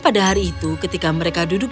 pada hari itu ketika mereka duduk